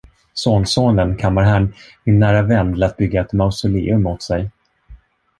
Sonsonen, kammarherrn, min nära vän, lät bygga ett mausoleum åt sig.